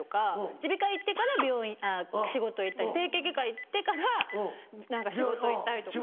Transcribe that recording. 耳鼻科行ってから仕事行ったり整形外科行ってから何か仕事行ったりとか。